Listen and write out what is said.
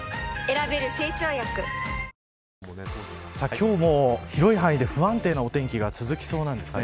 今日も広い範囲で不安定なお天気が続きそうなんですね。